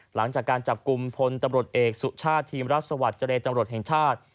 หลังจากการจับกลุ่มพลตำรวจเอกสุชาติทีมรัฐสวัสดิ์เจรจำรวจแห่งชาติ